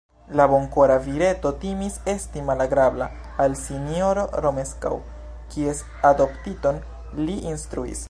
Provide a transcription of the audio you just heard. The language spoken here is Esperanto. La bonkora vireto timis esti malagrabla al sinjoro Romeskaŭ, kies adoptiton li instruis.